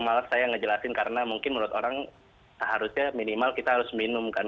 malah saya ngejelasin karena mungkin menurut orang seharusnya minimal kita harus minum kan